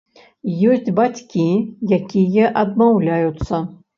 Ёсць бацькі, якія адмаўляюцца.